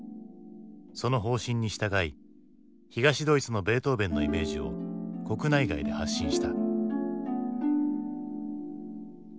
その方針に従い東ドイツのベートーヴェンのイメージを国内外で発信した。